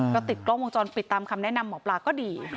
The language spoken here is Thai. ก็ติดกล้องวงจรปิดตามคำแนะนำหมอปลาก็ดี